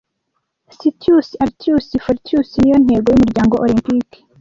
Citius Altius Fortius niyo ntego yumuryango olempike